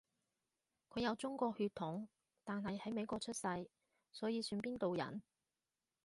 佢有中國血統，但係喺美國出世，所以算邊度人？